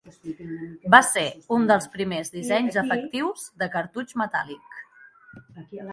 Va ser un dels primers dissenys efectius de cartutx metàl·lic.